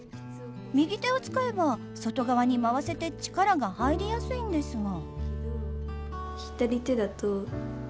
右手を使えば外側に回せて力が入りやすいんですが。